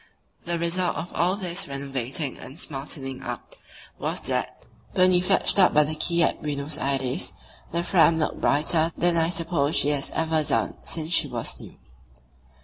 The result of all this renovating and smartening up was that, when we fetched up by the quay at Buenos Aires, the Fram looked brighter than I suppose she has ever done since she was new.